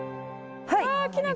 あっきな粉！